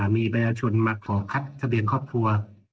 มีประชาชนมาขอคัดทะเบียนครอบครัว